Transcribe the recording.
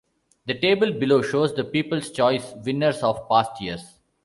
The table below shows the People's Choice winners of past years.